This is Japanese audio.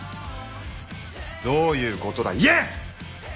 どういうことだ言え！